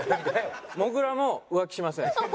もぐらも浮気しません。